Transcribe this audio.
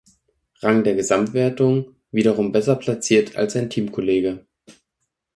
Rang der Gesamtwertung, wiederum besser platziert als sein Teamkollege.